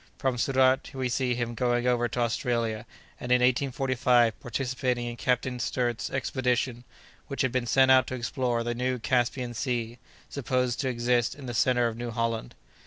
From Surat we see him going over to Australia, and in 1845 participating in Captain Sturt's expedition, which had been sent out to explore the new Caspian Sea, supposed to exist in the centre of New Holland.